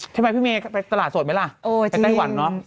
ทำไมพี่เมย์ไปตลาดสดไหมล่ะไปไต้หวันเนอะ